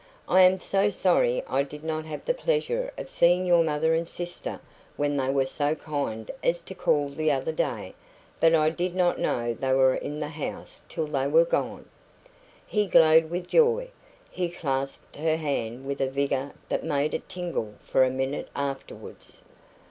I am so sorry I did not have the pleasure of seeing your mother and sister when they were so kind as to call the other day; but I did not know they were in the house till they were gone." He glowed with joy. He clasped her hand with a vigour that made it tingle for a minute afterwards.